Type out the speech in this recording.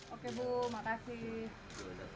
oke bu makasih